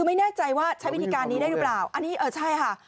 ไม่แน่ใจว่าใช้วิธิการนี้ได้หรือเปล่า